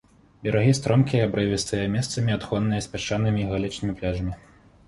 Берагі стромкія абрывістыя, месцамі адхонныя з пясчанымі і галечнымі пляжамі.